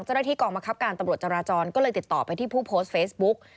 เจ้าหน้าที่กองบังคับการตำรวจจราจรก็เลยติดต่อไปที่ผู้โพสต์เฟซบุ๊ก